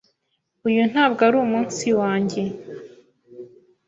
Uyu ntabwo ari umunsi wanjye.